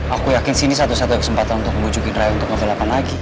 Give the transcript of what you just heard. aku yakin sini satu satunya kesempatan untuk mengujukin raya untuk ngebelakan lagi